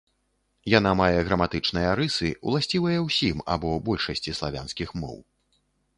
Яна мае граматычныя рысы, ўласцівыя ўсім або большасці славянскіх моў.